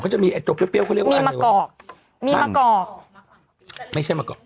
เขาจะมีไอ้โจ๊กเปรี้ยวเปรี้ยวเขาเรียกว่าอะไรวะมีมะกอกมีมะกอกไม่ใช่มะกอก